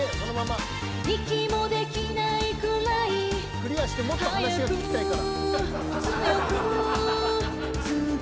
クリアしてもっと話が聞きたいから。